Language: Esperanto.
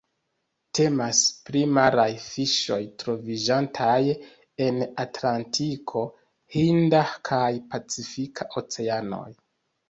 Temas pri maraj fiŝoj troviĝantaj en Atlantiko, Hinda kaj Pacifika Oceanoj.